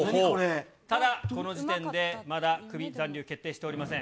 ただ、この時点で、まだクビ、残留、決定しておりません。